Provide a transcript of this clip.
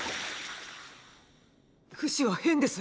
フシは変です